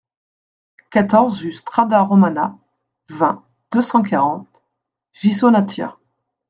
quatorze rue Strada Romana, vingt, deux cent quarante, Ghisonaccia